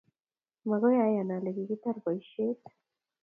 Makoi ayan ale kiketar boishet